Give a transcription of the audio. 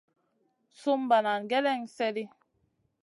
Sùm banana gèlèn slèʼɗi.